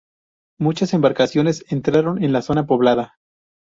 Muchas embarcaciones entraron en la zona poblada.